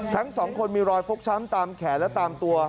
ทั้งสองคนมีรอยฟกช้ำตามแขนและตามตัว